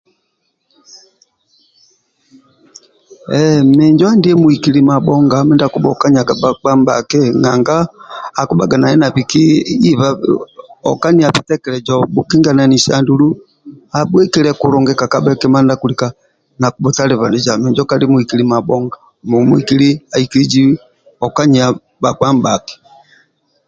Ehh menjo andie muikili mabhonga mindia akibhuokianaga bhakpa ndibhaki nanga akibhaga yaye nabiki ibabe okiana bitekelezo bhukingananise kulul andulu abhuikilie kulungi kakabhe kima ndia akilika nakibhutalabaniza minjo kali muikili mabhonga muikili aikilizi okanyia bhakpa ndibhaki